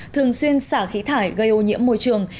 thường xuyên xả khí thải gây ô nhiễm môi trường